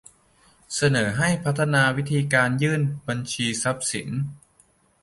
เสนอให้พัฒนาวิธีการยื่นบัญชีทรัพย์สิน